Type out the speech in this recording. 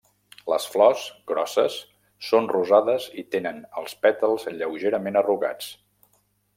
Les flors, grosses, són rosades i tenen els pètals lleugerament arrugats.